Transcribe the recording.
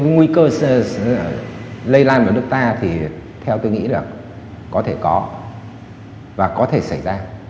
nguy cơ lây lan vào nước ta thì theo tôi nghĩ là có thể có và có thể xảy ra